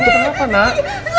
itu kenapa nak